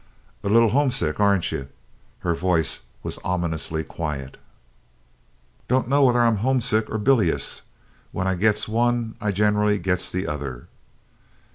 "A little homesick, aren't you?" Her voice was ominously quiet. "Don't know whether I'm homesick or bilious; when I gits one I generally gits the other."